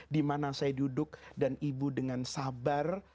di mana saya duduk dan ibu dengan sabar